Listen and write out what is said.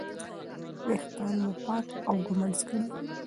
ویښتان مو پاک او ږمنځ کړئ.